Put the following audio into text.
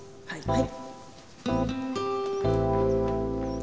はい。